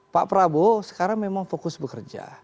pak prabowo sekarang memang fokus bekerja